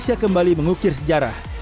kami kembali mengukir sejarah